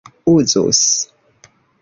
uzus